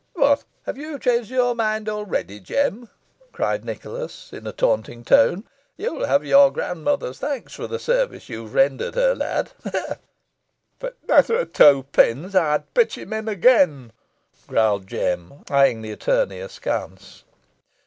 "What, have you changed your mind already, Jem?" cried Nicholas, in a taunting tone. "You'll have your grandmother's thanks for the service you've rendered her, lad ha! ha!" "Fo' t' matter o' two pins ey'd pitch him again," growled Jem, eyeing the attorney askance.